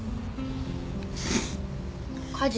火事。